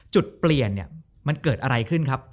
จุดเปลี่ยนเนี่ยมันเกิดอะไรขึ้นครับ